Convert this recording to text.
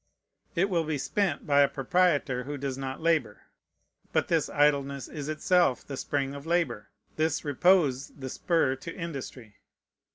It will be spent by a proprietor who does not labor. But this idleness is itself the spring of labor, this repose the spur to industry.